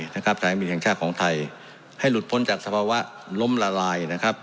สถานบินแห่งชาติของไทยให้หลุดพ้นจากสภาวะล้มละลายนะครับ